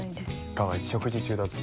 川合食事中だぞ。